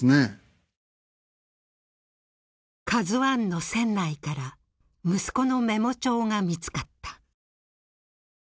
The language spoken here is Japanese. ＫＡＺＵⅠの船内から息子のメモ帳が見つかった。